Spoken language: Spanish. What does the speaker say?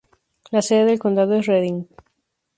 La sede del condado es Redding.